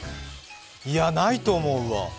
いや、ないと思うわ。